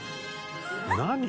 「何？」